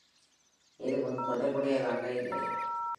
எதுவும் தொடர்புடையதாக இல்லை.